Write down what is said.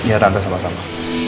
ya tante sama sama